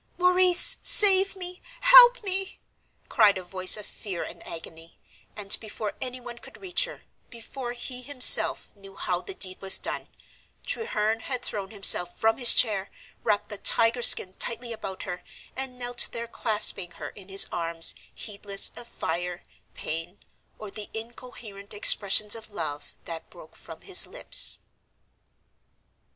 "Maurice, save me, help me!" cried a voice of fear and agony, and before anyone could reach her, before he himself knew how the deed was done, Treherne had thrown himself from his chair, wrapped the tiger skin tightly about her, and knelt there clasping her in his arms heedless of fire, pain, or the incoherent expressions of love that broke from his lips.